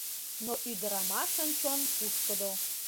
Но ӱдырамашын чон пушкыдо.